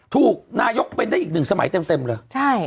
ถูกนายกเป็นได้อีกหนึ่งสมัยเต็มเลย